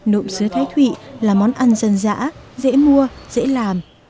nộm sứa thái thụy là món ăn dân dã dễ mua dễ làm